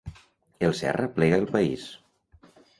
El Serra plega El País.